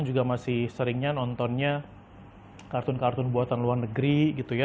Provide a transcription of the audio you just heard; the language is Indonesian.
juga masih seringnya nontonnya kartun kartun buatan luar negeri gitu ya